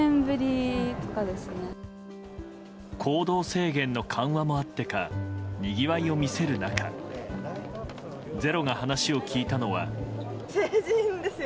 行動制限の緩和もあってかにぎわいを見せる中「ｚｅｒｏ」が話を聞いたのは。